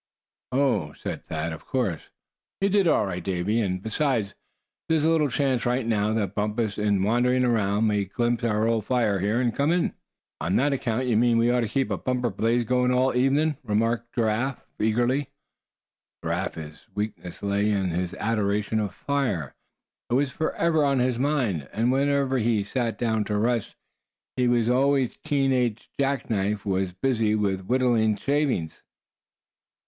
"Oh!" said Thad, "of course. You did all right, Davy. And besides, there's a little chance right now, that Bumpus, in wandering around, may glimpse our fire here, and come in." "And on that account you mean we ought to keep a bumper blaze going all evenin'," remarked Giraffe, eagerly. Giraffe's weakness lay in his adoration of fire. It was forever on his mind, and whenever he sat down to rest, his always keen edged jack knife was busy whittling shavings.